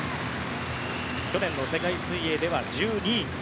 去年の世界水泳では１２位。